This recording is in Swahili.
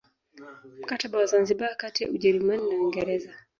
Mkataba wa Zanzibar kati ya Ujerumani na Uingereza